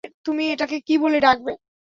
তুমি এটাকে কী বলে ডাকবে?